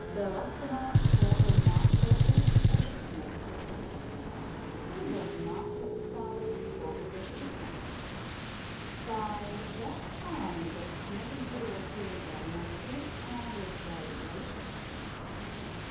Belostoma told the Mud Turtles what the Snapping Turtle had said, and the Mud Turtle Father spoke of it to the Snapping Turtle. By that time the Snapping Turtle was feeling better natured and was very gracious.